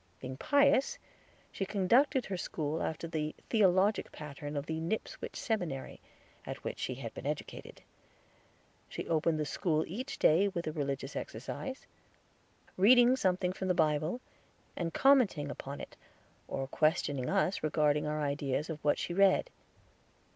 Being pious, she conducted her school after the theologic pattern of the Nipswich Seminary, at which she had been educated. She opened the school each day with a religious exercise, reading something from the Bible, and commenting upon it, or questioning us regarding our ideas of what she read.